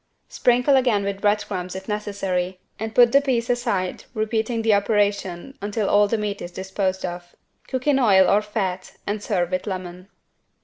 Sprinkle again with bread crumbs if necessary and put the piece aside repeating the operation until all the meat is disposed of. Cook in oil or fat and serve with lemon.